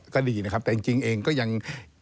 ก็ดีนะครับแต่จริงเองก็ยังทางภาคนจริง